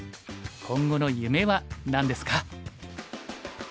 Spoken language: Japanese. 今後の夢は何ですか？